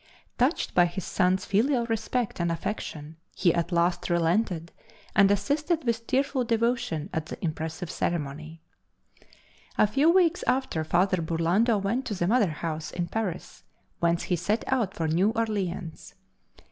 Touched by his son's filial respect and affection, he at last relented and assisted with tearful devotion at the impressive ceremony. A few weeks after Father Burlando went to the Mother House, in Paris, whence he set out for New Orleans.